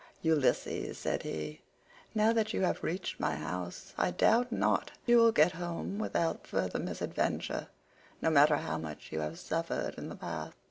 "Ulysses," said he, "now that you have reached my house I doubt not you will get home without further misadventure no matter how much you have suffered in the past.